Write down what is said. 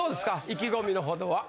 意気込みのほどは。